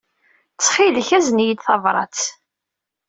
Ttxil-k, azen-iyi-d tabṛat.